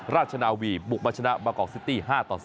ราชนาวีบุกมาชนะมากอกซิตี้๕ต่อ๐